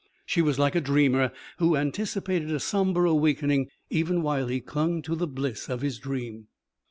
She was like a dreamer who anticipated a sombre awakening even while he clung to the bliss of his dream.